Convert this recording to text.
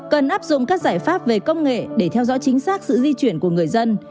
cần áp dụng các giải pháp về công nghệ để theo dõi chính xác sự di chuyển của người dân